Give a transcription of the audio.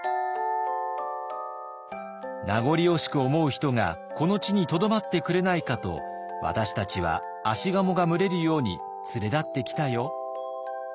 「名残惜しく思う人がこの地にとどまってくれないかと私たちは葦鴨が群れるように連れ立ってきたよ」。